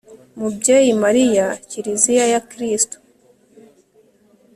mubyeyi mariya, kiliziya ya kristu